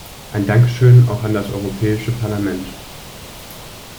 Ein Dankeschön auch an das Europäische Parlament.